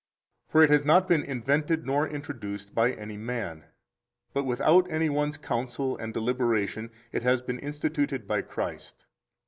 For it has not been invented nor introduced by any man, but without any one's counsel and deliberation it has been instituted by Christ.